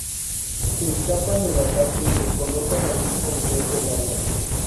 Escapan del ataque y se colocan al mismo nivel del agua.